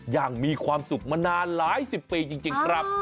อย่างมีความสุขมานานหลายสิบปีจริงครับ